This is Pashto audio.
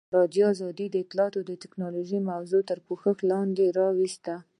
ازادي راډیو د اطلاعاتی تکنالوژي موضوع تر پوښښ لاندې راوستې.